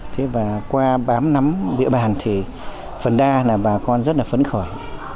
thế và qua bám nắm địa bàn thì phần đa là bà con rất là phấn khởi